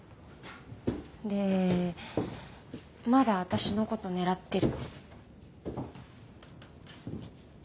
でまだ私の事狙ってる。